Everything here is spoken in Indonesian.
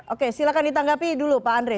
oke silahkan ditanggapi dulu pak andre